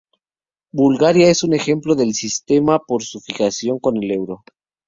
Bulgaria es un ejemplo de este sistema, por su fijación con el euro.